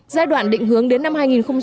giai đoạn định hướng đến năm hai nghìn ba mươi